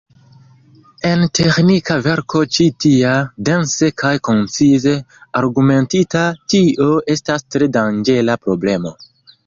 En teĥnika verko ĉi tia, dense kaj koncize argumentita, tio estas tre danĝera problemo.